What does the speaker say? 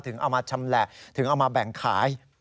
เอามาชำแหละถึงเอามาแบ่งขาย